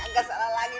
gak salah lagi